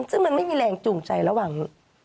ซึ่งมันไม่มีแรงจูงใจระหว่าง